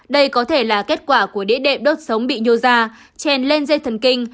đây có thể là kết quả của đĩa đệm đốt sống bị nhô ra chèn lên dây thần kinh